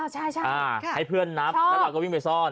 ให้เพื่อนนับหรือวิ่งไปซ่อน